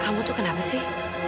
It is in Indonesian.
kamu tuh kenapa sih